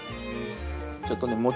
ちょっとね